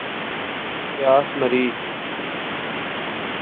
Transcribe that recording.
پیاس مری